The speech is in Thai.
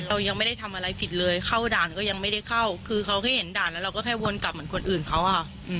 เรายังไม่ได้ทำอะไรผิดเลยเข้าด่านก็ยังไม่ได้เข้าคือเขาแค่เห็นด่านแล้วเราก็แค่วนกลับเหมือนคนอื่นเขาอะค่ะ